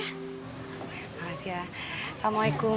makasih ya assalamu'alaikum